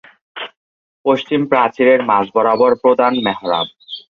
পশ্চিম প্রাচীরের মাঝ বরাবর প্রধান মেহরাব।